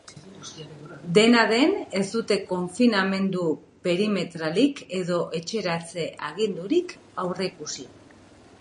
Dena den, ez dute konfinamendu perimetralik edo etxeratze agindurik aurreikusi.